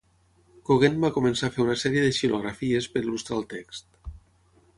Gauguin va començar a fer una sèrie de xilografies per il·lustrar el text.